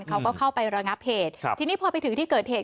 เขาก็เข้าไประงับเหตุครับทีนี้พอไปถึงที่เกิดเหตุ